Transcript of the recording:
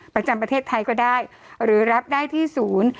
ประจำประเทศไทยก็ได้หรือรับได้ที่ศูนย์